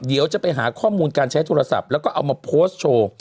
เดี๋ยวจะไปหาข้อมูลการใช้โทรศัพท์แล้วก็เอามาโพสต์โชว์